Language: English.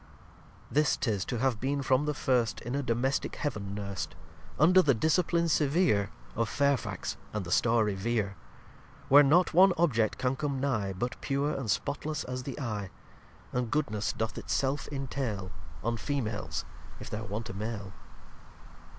xci This 'tis to have been from the first In a Domestick Heaven nurst, Under the Discipline severe Of Fairfax, and the starry Vere; Where not one object can come nigh But pure, and spotless as the Eye; And Goodness doth it self intail On Females, if there want a Male.